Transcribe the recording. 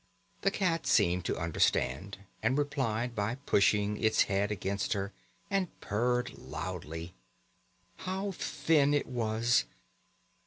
The cat seemed to understand, and replied by pushing its head against her, and purred loudly. How thin it was!